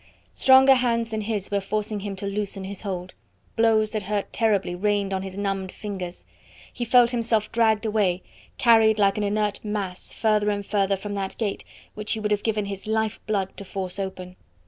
Stronger hands than his were forcing him to loosen his hold; blows that hurt terribly rained on his numbed fingers; he felt himself dragged away, carried like an inert mass further and further from that gate which he would have given his lifeblood to force open.